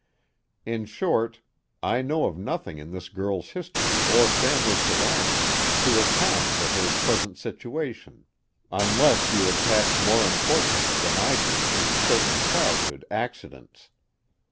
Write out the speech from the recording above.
in short I know of nothing in this girl's history or family surroundings to account for her present situation unless you attach more importance than I do to certain childhood accidents.